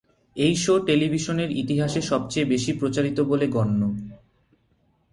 এই শো' টেলিভিশনের ইতিহাসে সবচেয়ে বেশি প্রচারিত বলে গণ্য।